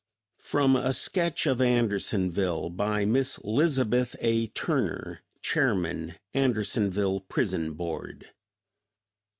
From "A Sketch of Andersonville," by Mrs. Lizabeth A. Turner, Chairman Andersonville Prison Board.